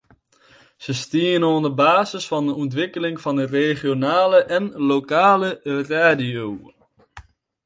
Se stienen oan de basis fan de ûntwikkeling fan de regionale en lokale radio.